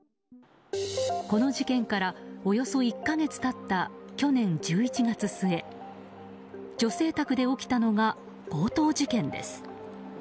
この事件からおよそ１か月経った去年１１月末女性宅で起きたのが強盗事件です。